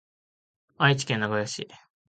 愛知県名古屋市